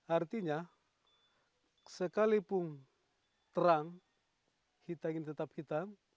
artinya sekalipun terang hitam ini tetap hitam